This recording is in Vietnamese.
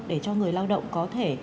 để cho người lao động có thể